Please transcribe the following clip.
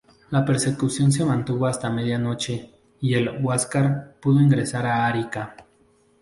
La persecución se mantuvo hasta medianoche y el "Huáscar" pudo ingresar a Arica.